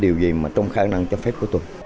điều gì mà trong khả năng cho phép của tôi